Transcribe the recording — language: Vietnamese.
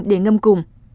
để ngâm cùng